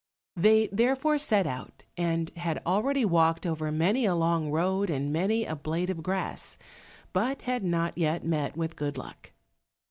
They therefore set out, and had already walked over many a long road and many a blade of grass, but had not yet met with good luck.